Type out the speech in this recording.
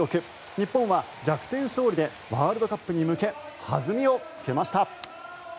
日本は逆転勝利でワールドカップに向け弾みをつけました。